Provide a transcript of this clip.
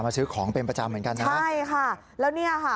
ซื้อของเป็นประจำเหมือนกันนะใช่ค่ะแล้วเนี่ยค่ะ